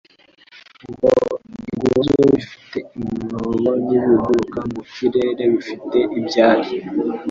ngo : "Ingunzu zifite imyobo n'ibiguruka mu kirere bifite ibyari,